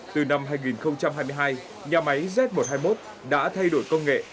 từ năm hai nghìn hai mươi hai nhà máy z một trăm hai mươi một đã thay đổi công nghệ